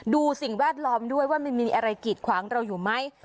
สิ่งแวดล้อมด้วยว่ามันมีอะไรกีดขวางเราอยู่ไหม